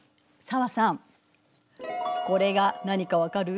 紗和さんこれが何か分かる？